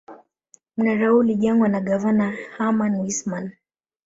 Mnara huu ulijengwa na gavana Herman Wissman